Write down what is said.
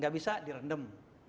gak bisa di rendam